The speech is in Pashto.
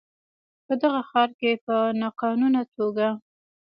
په دغه ښار کې په ناقانونه توګه